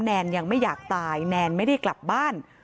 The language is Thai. แนนยังไม่อยากตายแนนไม่ได้กลับบ้าน